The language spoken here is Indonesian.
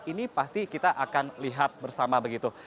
ini pasti kita akan lihat bersama begitu